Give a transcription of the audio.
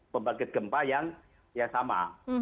pembangkit gempa yang ya sama